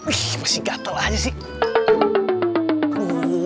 wih masih gatel aja sih